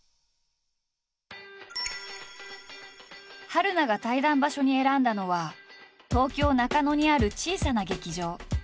春菜が対談場所に選んだのは東京中野にある小さな劇場。